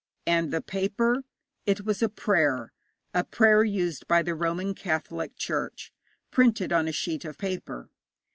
And the paper? It was a prayer a prayer used by the Roman Catholic Church, printed on a sheet of paper.